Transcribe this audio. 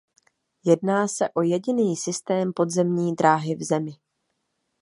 Jedná se o jediný systém podzemní dráhy v zemi.